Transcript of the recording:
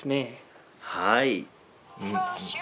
はい。